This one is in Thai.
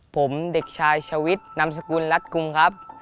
ผมเด็กชายชวิตนามสกุลรัฐกรุงครับ